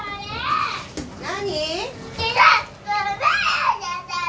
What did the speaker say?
何？